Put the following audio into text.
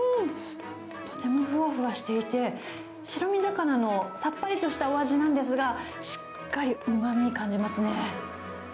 とてもふわふわしていて、白身魚のさっぱりとしたお味なんですが、しっかりうまみを感じますね。